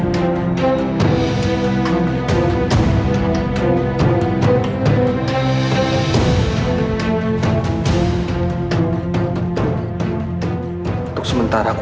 saya kirim secepatnya